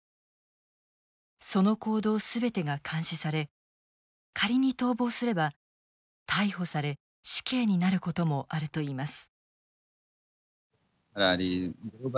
その行動全てが監視され仮に逃亡すれば逮捕され死刑になることもあるといいます。